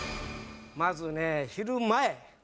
まずね昼前。